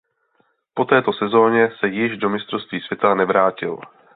Po této sezoně se již do mistrovství světa nevrátil.